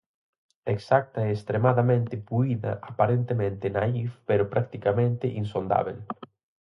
Exacta e extremadamente puída, aparentemente naíf pero practicamente insondábel.